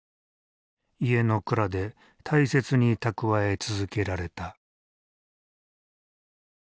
家の蔵で大切に蓄え続けられた。